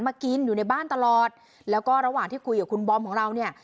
มากินอยู่ในบ้านตลอดแล้วก็ระหว่างที่คุยกับคุณบอมของเราเนี่ย